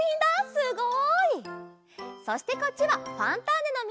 すごい！そしてこっちは「ファンターネ！」のみんなだよ。